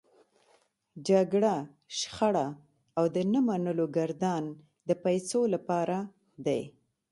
جګړه، شخړه او د نه منلو ګردان د پيسو لپاره دی.